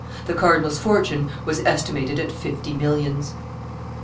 The cardinal's fortune was estimated at fifty millions.